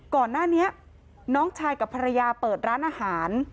ก่อนหน้านี้น้องชายกับภรรยาเปิดร้านอาหาร